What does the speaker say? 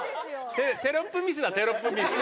テロップミスだテロップミス。